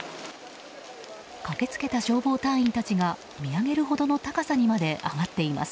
駆けつけた消防隊員たちが見上げるほどの高さにまで上がっています。